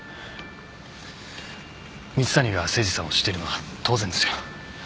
蜜谷が誠司さんを知っているのは当然ですよ。